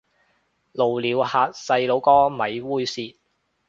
露鳥嚇細路哥咪猥褻